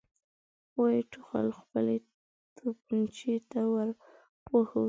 ويې ټوخل، خپلې توپانچې ته ور وښويېد.